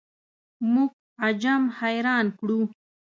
موږ عجم حیران کړو.